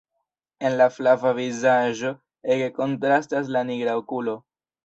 En la flava vizaĝo ege kontrastas la nigra okulo.